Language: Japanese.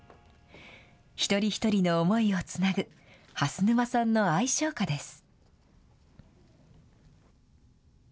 一人一人の思いをつなぐ蓮沼さんの愛唱歌です。